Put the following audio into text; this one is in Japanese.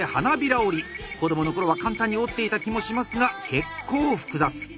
子供の頃は簡単に折っていた気もしますが結構複雑！